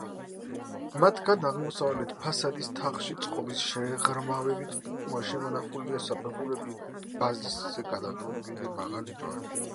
მათგან აღმოსავლეთ ფასადის თაღში წყობის შეღრმავებით გამოსახულია საფეხურებიან ბაზისზე დაყრდნობილი მაღალი ჯვარი.